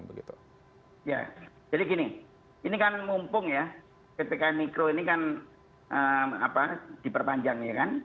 jadi gini ini kan mumpung ya ppkm mikro ini kan diperpanjang